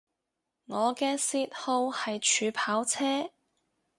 我嘅嗜好係儲跑車